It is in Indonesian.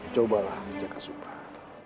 cobalah jaga supah